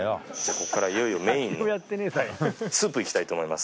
ここからいよいよメインのスープ行きたいと思います。